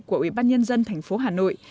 của ubnd tp hà nội